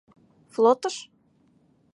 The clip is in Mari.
Флотыш?..